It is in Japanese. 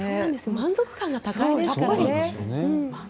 満足感が高いですからね。